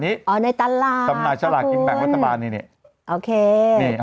นี่อ่าในตาราสำนักชาลาศขึ้นแบบวัตตาลาณีนี่เนี่ยส่อง